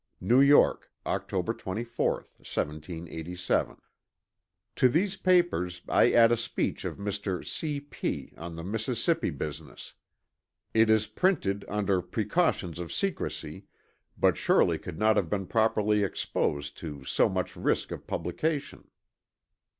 NEW YORK, Octr. 24, 1787. "To these papers I add a speech of Mr. C. P. on the Mississippi business. It is printed under precautions of secrecy, but surely could not have been properly exposed to so much risk of publication."